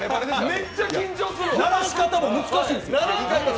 めっちゃ緊張する。